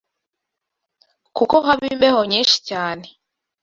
kuko haba imbeho nyinshi cyane